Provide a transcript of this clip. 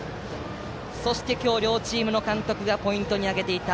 そして今日、両チームの監督がポイントに挙げていた